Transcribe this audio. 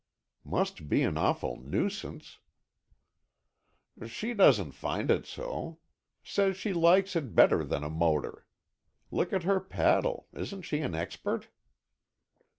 "Must be an awful nuisance." "She doesn't find it so. Says she likes it better than a motor. Look at her paddle. Isn't she an expert?"